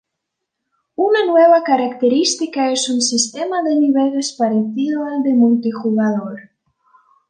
Una nueva característica es un sistema de niveles parecido al de multijugador.